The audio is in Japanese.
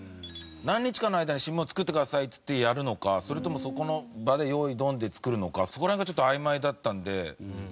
何日間の間に新聞を作ってくださいっつってやるのかそれともそこの場で「用意ドン」で作るのかそこら辺がちょっとあいまいだったので。